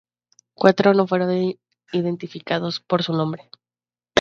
Cuatro no fueron identificados por su nombre.